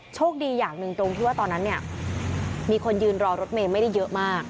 โชคดีอย่างหนึ่งตรงที่ว่าตอนนั้นเนี่ยมีคนยืนรอรถเมย์ไม่ได้เยอะมาก